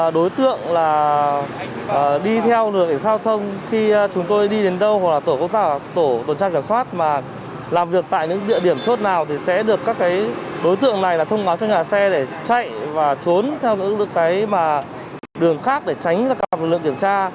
đối tượng này là thông báo cho nhà xe để chạy và trốn theo những đường khác để tránh các lực lượng kiểm tra